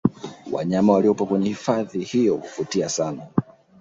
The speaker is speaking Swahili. Wanyama waliopo kwenye hifadhi hiyo huvutia sana